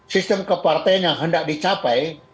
sistem kepartean yang hendak dicapai